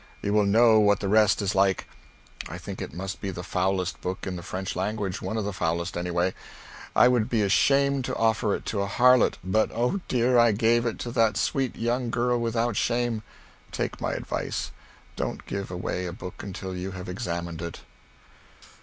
You will know what the rest is like. I think it must be the foulest book in the French language one of the foulest, anyway. I would be ashamed to offer it to a harlot but, oh dear, I gave it to that sweet young girl without shame. Take my advice; don't give away a book until you have examined it."